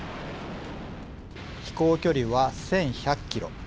飛行距離は１，１００キロ。